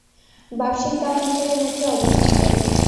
বার্ষিক তাপমাত্রা এর মধ্যে অবস্থান করে।